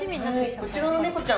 こちらのネコちゃん